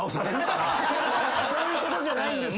そういうことじゃないんですよ。